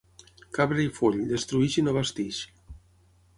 Cabra i foll, destrueix i no basteix.